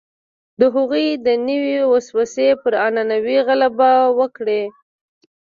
د هغوی دنیوي وسوسې پر معنوي غلبه وکړي.